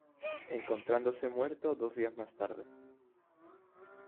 Encontrándose muerto dos días más tarde.